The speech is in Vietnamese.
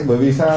bởi vì sao